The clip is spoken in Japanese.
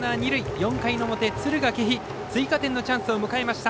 ４回の表、敦賀気比追加点のチャンスを迎えました。